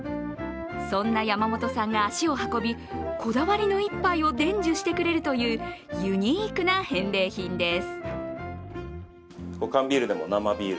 そんな山本さんが足を運びこだわりの一杯を伝授してくれるというユニークな返礼品です。